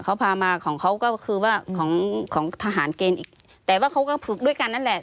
เขาพามาของเขาก็คือว่าของของทหารเกณฑ์อีกแต่ว่าเขาก็ฝึกด้วยกันนั่นแหละ